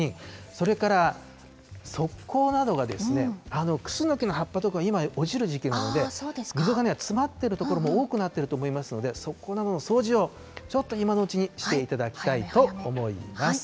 それから、側溝などがクスノキの葉っぱとか今、落ちる時期なので、溝が詰まっている所も多くなっていると思いますので、側溝などの掃除をちょっと今のうちにしていただきたいと思います。